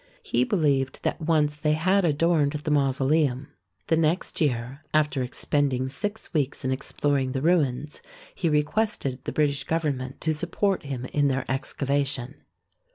He believed that once they had adorned the mausoleum. The next year, after expending six weeks in exploring the THE TOMB OF KING MAUSOLUS 149 ruins, he requested the British Government to support him in their excavation.